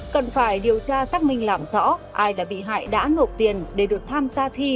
cần phải điều tra xác minh làm rõ ai là bị hại đã nộp tiền để được tham gia thi